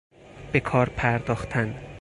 به کار پرداختن